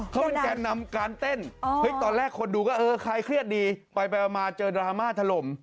การเต้นตอนแรกคนดูอุ่นก็เออใครเครียดได้ใบไปมาเจอดราม่าถล่ม